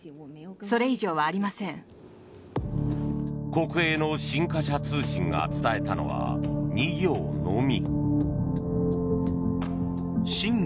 国営の新華社通信が伝えたのは２行のみ。